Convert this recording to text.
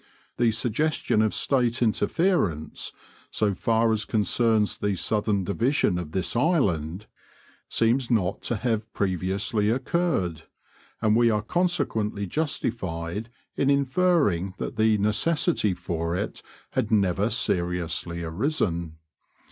The suggestion of State interference, so far as concerns the southern division of this island, seems not to have previously occurred, and we are consequently justified in inferring that the necessity for it had never seriously arisen.